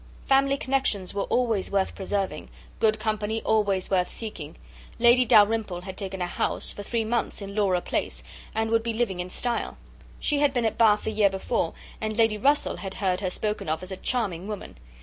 "Family connexions were always worth preserving, good company always worth seeking; Lady Dalrymple had taken a house, for three months, in Laura Place, and would be living in style. She had been at Bath the year before, and Lady Russell had heard her spoken of as a charming woman.